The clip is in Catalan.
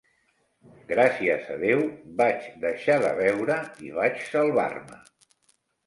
Gràcies a Déu vaig deixar de beure i vaig salvar-me.